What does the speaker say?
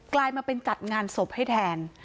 กลายมาเป็นจัดงานศพให้แทน